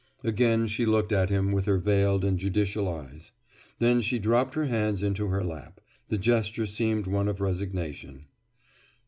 Again she looked at him with her veiled and judicial eyes. Then she dropped her hands into her lap. The gesture seemed one of resignation.